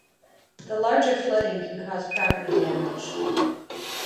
The larger flooding can cause property damage.